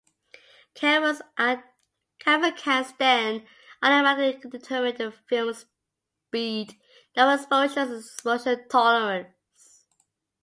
Cameras can then automatically determine the film speed, number of exposures and exposure tolerance.